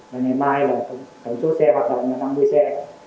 và ngày mai là tổng số xe hoạt động là năm mươi xe